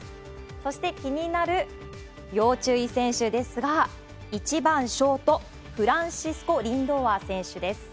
そして、気になる要注意選手ですが、１番、ショート、フランシスコ・リンドーア選手です。